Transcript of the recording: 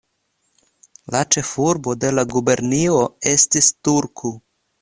La ĉefurbo de la gubernio estis Turku.